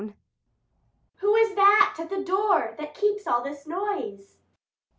_ [Within] Who is that at the door that keeps all this noise?